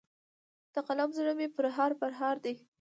د قلم زړه مي پرهار پرهار دی